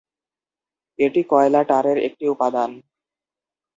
এটি কয়লা টারের একটি উপাদান।